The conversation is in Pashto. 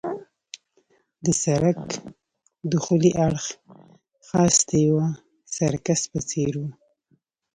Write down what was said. د سړک دخولي اړخ خاص د یوه سرکس په څېر وو.